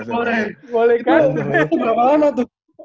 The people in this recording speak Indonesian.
itu berapa lama tuh